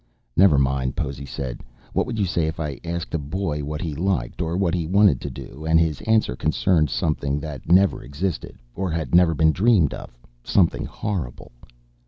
"Never mind," Possy said. "What would you say if you asked a boy what he liked, or what he wanted to do and his answer concerned something that never existed, or had never been dreamed of? Something horrible."